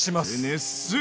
熱する！